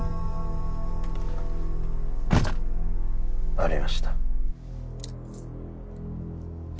ありました。